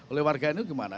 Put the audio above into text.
oleh warga ini gimana